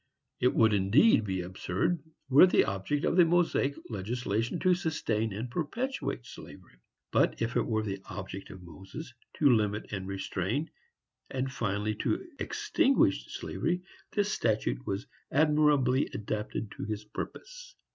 It would indeed be absurd, were it the object of the Mosaic legislation to sustain and perpetuate slavery; but, if it were the object of Moses to limit and to restrain, and finally to extinguish slavery, this statute was admirably adapted to his purpose.